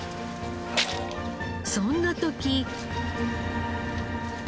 そんな時。